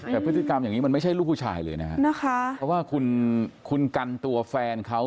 แต่พฤติกรรมอย่างนี้มันไม่ใช่ลูกผู้ชายเลยนะฮะเพราะว่าคุณคุณกันตัวแฟนเขา